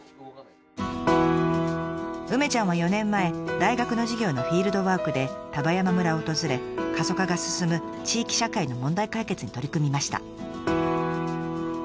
梅ちゃんは４年前大学の授業のフィールドワークで丹波山村を訪れ過疎化が進む地域社会の問題解決に取り組みました。